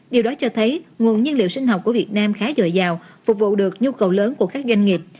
điều đó cho thấy nguồn nhân liệu sinh học của việt nam khá dồi dào phục vụ được nhu cầu lớn của các doanh nghiệp